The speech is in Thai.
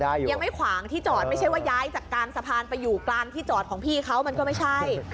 ยังไม่ขวางที่จอดไม่ใช่ว่าย้ายจากกลางสะพานไปอยู่กลางที่จอดของพี่เขามันก็ไม่ใช่